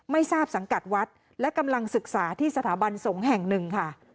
ไม่ทราบสังกัดวัดและกำลังศึกษาที่สถาบันสงฆ์แห่งหนึ่งค่ะ